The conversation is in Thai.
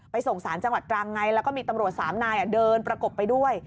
ส่งสารจังหวัดตรังไงแล้วก็มีตำรวจสามนายเดินประกบไปด้วย